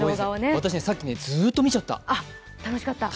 私、さっき、ずっと見ちゃった。